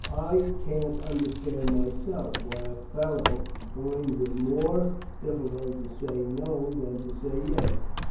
I can't understand myself why a fellow finds it more difficult to say no than to say yes.